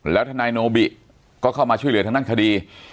แล้วท่านนายโนบิดิ์ก็เข้ามาช่วยไหลวิทยาลัยสนับค่าดี